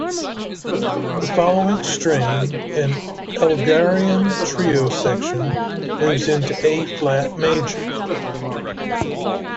The following strain, an Elgarian trio section, moves into A-flat major.